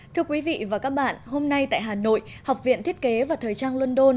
thưa quý vị và các bạn hôm nay tại hà nội học viện thiết kế và thời trang london